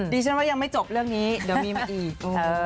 ดิฉันว่ายังไม่จบเรื่องนี้เดี๋ยวมีมาอีก